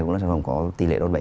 cũng là sản phẩm có tỷ lệ đón bày